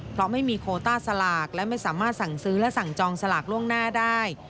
เพราะไม่มีโคต้าสลากและไม่สามารถสั่งซื้อและสั่งจองสลากล่วงหน้าได้